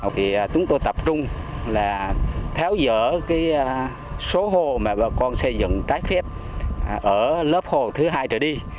vì chúng tôi tập trung là tháo dỡ số hồ mà bà con xây dựng trái phép ở lớp hồ thứ hai trở đi